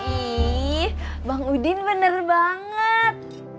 ih bang udin bener banget